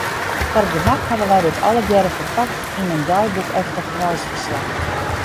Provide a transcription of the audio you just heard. Foar it gemak hawwe wy dit allegearre ferpakt yn in deiboekeftich reisferslach.